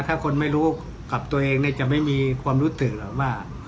ถ้าคนไม่รู้กับตัวเองจะไม่มีความรู้สึกหรอกว่า